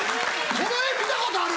この画見たことある。